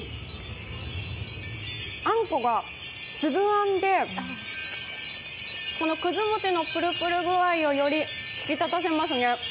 あんこがつぶあんでこのくず餅のプルプル具合をより引き立てますね。